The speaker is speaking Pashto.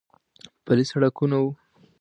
پلي سړکونه و.